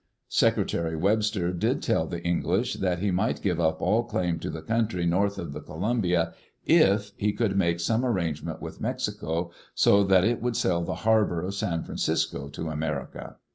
Secretary Webster did tell the English that he might give up all claim to the country north of the Columbia if he could make some arrangement with Mexico so that it would sell the harbor of San Francisco to America.